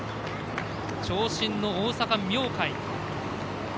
長身の大阪、明貝。